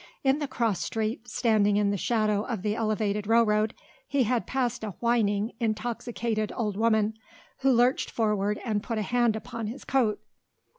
In the cross street, standing in the shadow of the elevated railroad, he had passed a whining, intoxicated old woman who lurched forward and put a hand upon his coat.